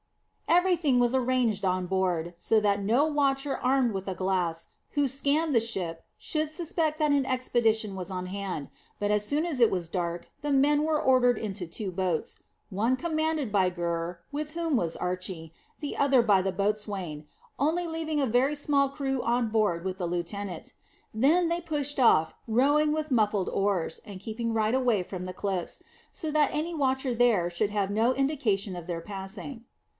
Everything was arranged on board, so that no watcher armed with a glass who scanned the ship should suspect that an expedition was on hand; but as soon as it was dark the men were ordered into two boats, one commanded by Gurr, with whom was Archy, the other by the boatswain, only leaving a very small crew on board with the lieutenant. Then they pushed off, rowing with muffled oars, and keeping right away from the cliffs, so that any watcher there should have no indication of their passing.